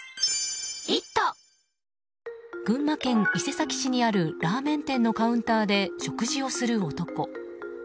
群馬県伊勢崎市にあるラーメン店のカウンターで食事をする男。